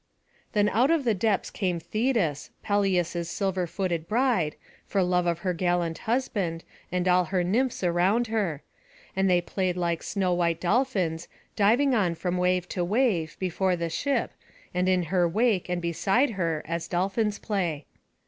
Then out of the depths came Thetis, Peleus's silver footed bride, for love of her gallant husband, and all her nymphs around her; and they played like snow white dolphins, diving on from wave to wave, before the ship, and in her wake, and beside her, as dolphins play.